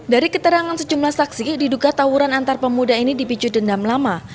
dari keterangan sejumlah saksi diduga tawuran antar pemuda ini dipicu dendam lama